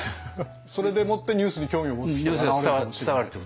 それでもってニュースに興味を持つ人が現れるかもしれない。